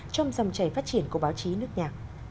trong dòng chảy phát triển của báo chí nước nhà